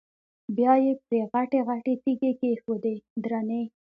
بیا یې پرې غټې غټې تیږې کېښودې درنې.